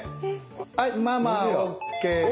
はいママＯＫ！